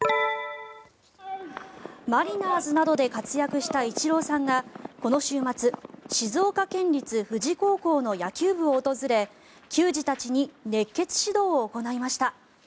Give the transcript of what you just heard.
マリナーズなどで活躍したイチローさんがこの週末静岡県立富士高校の野球部を訪れ球児たちに熱血指導を行いました。